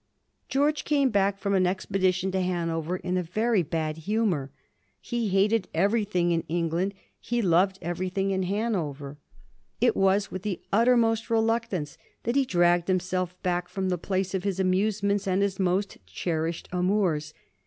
George came back from an expedition to Hanover in a very bad humor. He hated everything in England; he loved everything in Hanover. It was with the uttermost reluctance that he dragged himself back from the place of his amusements and his most cherished amours.